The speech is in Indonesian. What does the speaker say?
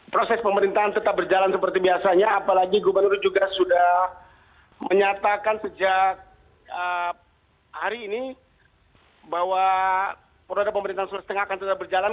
proses pemerintahan tetap berjalan seperti biasanya apalagi gubernur juga sudah menyatakan sejak hari ini bahwa produk pemerintahan sulawesi tengah akan tetap berjalan